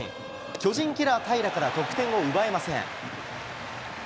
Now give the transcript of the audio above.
巨人キラー、平良から得点を奪えません。